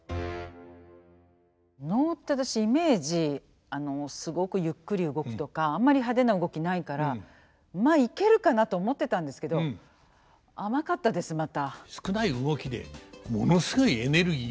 能って私イメージすごくゆっくり動くとかあんまり派手な動きないからまあイケるかなと思ってたんですけど甘かったですまた。